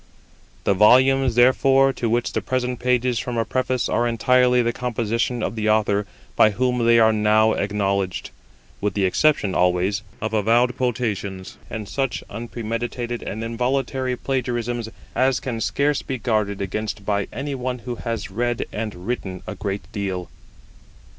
The volumes, therefore, to which the present pages form a Preface are entirely the composition of the Author by whom they are now acknowledged, with the exception, always, of avowed quotations, and such unpremeditated and involuntary plagiarisms as can scarce be guarded against by any one who has read and written a great deal.